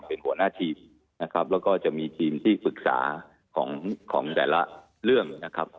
เป็นหัวหน้าทีมนะครับแล้วก็จะมีทีมที่ปรึกษาของของแต่ละเรื่องนะครับ